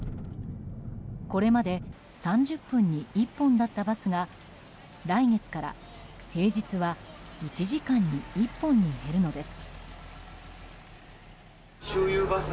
これまで３０分に１本だったバスが来月から、平日は１時間に１本に減るのです。